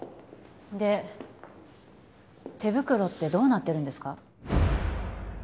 で手袋ってどうなってるんですか？